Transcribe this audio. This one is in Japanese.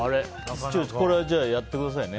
これはやってくださいね。